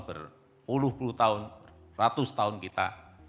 berpuluh puluh tahun ratus tahun kita